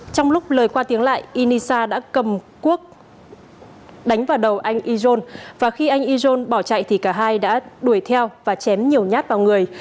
trong lúc lời qua tiếng lại inisa đã cầm cuốc đánh vào đầu anh ijon và khi anh ijon bỏ chạy thì cả hai đã đuổi theo và chém nhiều nhát vào người